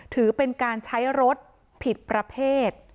ถือเป็นการใช้รถผิดประเภท